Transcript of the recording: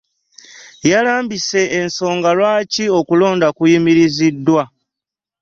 Yalambise ensoga lwaki okulonda kuyimiriziddwa